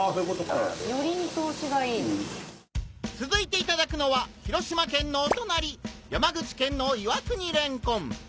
続いていただくのは広島県のお隣山口県の『岩国レンコン』！